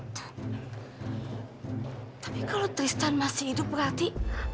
tapi kalau tristan masih hidup berarti